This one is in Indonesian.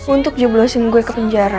untuk joblosin gue ke penjara